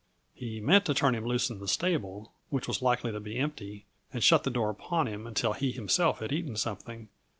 He meant to turn him loose in the stable, which was likely to be empty, and shut the door upon him until he himself had eaten something.